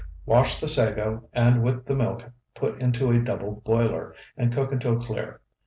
Wash the sago, and with the milk put into a double boiler, and cook until clear.